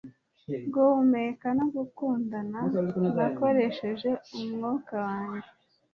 guhumeka no kugukunda nakoresheje umwuka wanjye